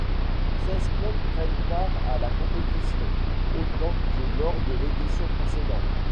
Seize clubs prennent part à la compétition, autant que lors de l'édition précédente.